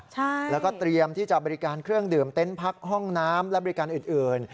ใช่แล้วก็เตรียมที่จะบริการเครื่องดื่มเต็นต์พักห้องน้ำและบริการอื่น